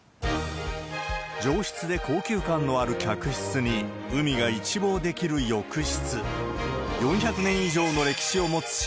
上質で高級感のある客室に、海が一望できる浴室。